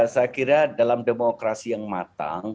saya kira dalam demokrasi yang matang